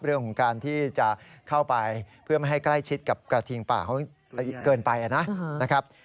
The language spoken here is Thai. เรื่องของการที่จะเข้าไปเพื่อไม่ให้ใกล้ชิดกับกระทิงป่าเขาเกินไปนะครับ